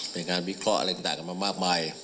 มีการวิเคราะห์กับมากมาย